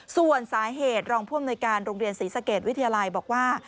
ส่วนสาเหตุรองผู้อำนวยการโรงเรียนศรีสเกตวิทยาลัยบอกว่า